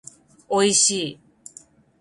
おいしい